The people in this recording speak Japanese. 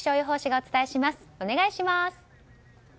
お願いします。